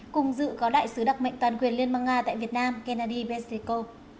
cùng dự có đại sứ đặc mệnh toàn quyền liên bang nga tại việt nam kennedy pesceko